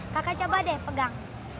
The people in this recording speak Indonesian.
kakak coba deh pegang